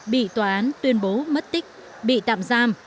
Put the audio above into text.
bị tòa án tuyên bố mất tích bị tạm giam